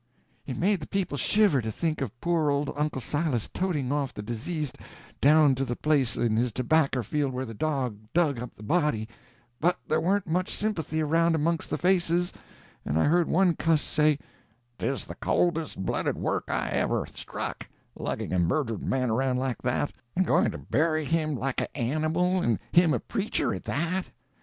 It made the people shiver to think of poor old Uncle Silas toting off the diseased down to the place in his tobacker field where the dog dug up the body, but there warn't much sympathy around amongst the faces, and I heard one cuss say "'Tis the coldest blooded work I ever struck, lugging a murdered man around like that, and going to bury him like a animal, and him a preacher at that."